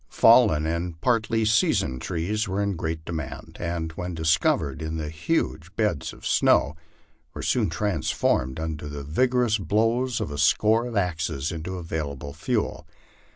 Fallen and partly seasoned trees were in great demand, and, wlien dis covered in the huge beds of snow, were soon transformed, under the vigorous blows of a score of axes, into available fuel.